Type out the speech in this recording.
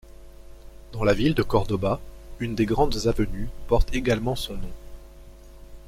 Dans la ville de Córdoba, une des grandes avenues porte également son nom.